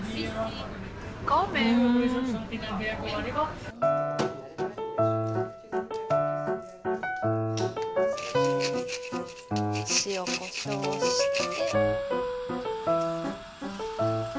うん！塩こしょうをして。